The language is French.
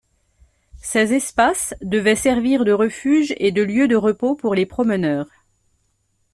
Ces espaces devaient servir de refuges et de lieux de repos pour les promeneurs.